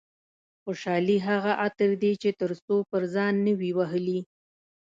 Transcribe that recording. خوشحالي هغه عطر دي چې تر څو پر ځان نه وي وهلي.